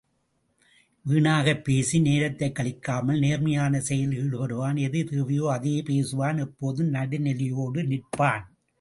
வீணாகப் பேசி நேரத்தைக் கழிக்காமல் நேர்மையான செயலில் ஈடுபடுவான் எது தேவையோ அதையே பேசுவான் எப்போதும் நடுநிலையோடு நிற்பான்.